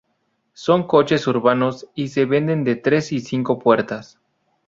Son coches urbanos y se venden de tres y cinco puertas.